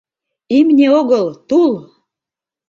— Имне огыл — тул!